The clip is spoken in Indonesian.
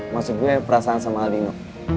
maksud gue perasaan sama aldino